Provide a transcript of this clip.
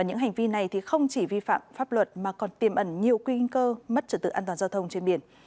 những hành vi này không chỉ vi phạm pháp luật mà còn tiêm ẩn nhiều quy kinh cơ mất trở tự an toàn giao thông trên biển